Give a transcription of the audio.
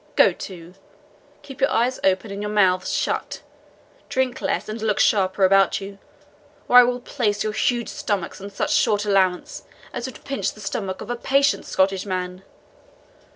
Go to keep your eyes open and your mouths shut drink less, and look sharper about you; or I will place your huge stomachs on such short allowance as would pinch the stomach of a patient Scottish man."